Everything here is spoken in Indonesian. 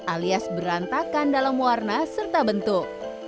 alias berantakan dalam warna serta bentuk